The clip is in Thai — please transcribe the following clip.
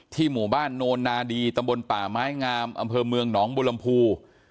หมู่บ้านโนนาดีตำบลป่าไม้งามอำเภอเมืองหนองบุรมภู